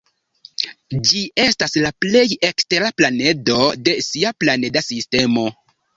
Ĝi estas la plej ekstera planedo de sia planeda sistemo.